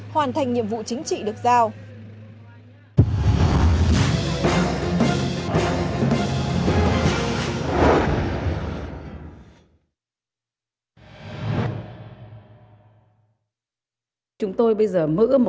hoàn thành nhiệm vụ chính trị được giao